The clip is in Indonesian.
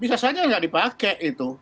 bisa saja nggak dipakai gitu